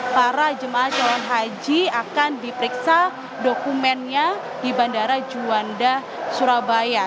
para jemaah calon haji akan diperiksa dokumennya di bandara juanda surabaya